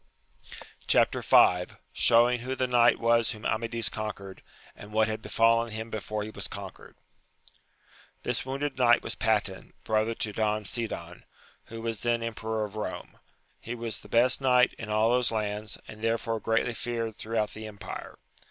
Chap. V. — Showing who the knight was whom Amadis con quered, and what had befallen him before he was conquered. I HIS wounded knight was Patin, brother to Don Sidon, who was then emperor of Kome ; he was the best knight in all those lands, and therefore greatly feared throughout the empire.